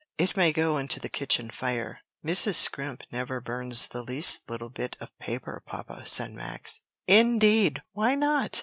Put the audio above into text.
"It may go into the kitchen fire." "Mrs. Scrimp never burns the least little bit of paper, papa," said Max. "Indeed! Why not?"